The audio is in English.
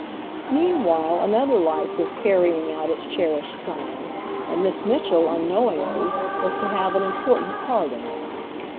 Meanwhile another life was carrying out its cherished plan, and Miss Mitchell, unknowingly, was to have an important part in it.